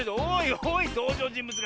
おおいとうじょうじんぶつが。